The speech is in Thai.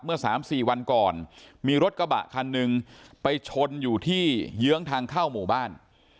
เมื่อ๓๔วันก่อนมีรถกระบะคันหนึ่งไปชนอยู่ที่เยื้องทางเข้าหมู่บ้าน